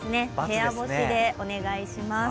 部屋干しでお願いします。